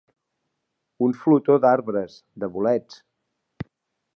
Un flotó d'arbres, de bolets.